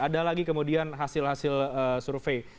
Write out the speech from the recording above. ada lagi kemudian hasil hasil survei